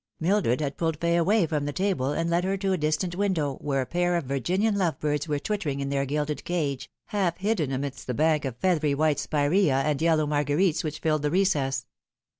Mildred had pulled Fay away from the table and led her to a dis tant window, where a pair of Virginian love birds were twit tering in their gilded cage, half hidden amidst the bank of feathery white spirea and yellow marguerites which filled the recess.